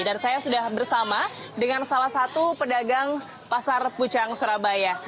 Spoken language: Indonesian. dan saya sudah bersama dengan salah satu pedagang pasar pucang surabaya